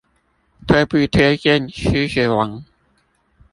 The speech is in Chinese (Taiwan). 推不推薦獅子王